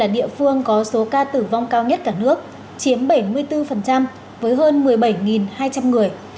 địa phương có số ca tử vong cao nhất cả nước chiếm bảy mươi bốn với hơn một mươi bảy hai trăm linh người